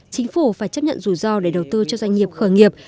chính phủ phải chấp nhận rủi ro để đầu tư cho doanh nghiệp khởi nghiệp